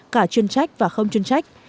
cả chuyên trách và không chuyên trách